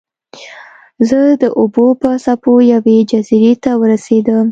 زه د اوبو په څپو یوې جزیرې ته ورسیدم.